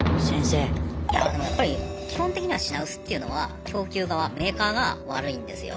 いやでもやっぱり基本的には品薄っていうのは供給側メーカーが悪いんですよ。